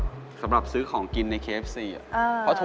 แต่อันนี้น่าจะ๒๙บาท